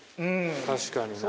確かにな。